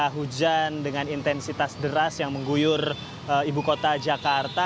hujan dengan intensitas deras yang mengguyur ibu kota jakarta